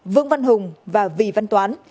vương văn hùng và vì văn toán